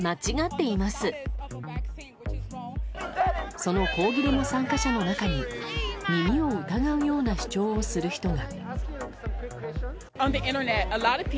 その抗議デモ参加者の中に耳を疑うような主張をする人が。